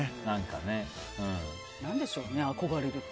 何でしょうね、憧れるって。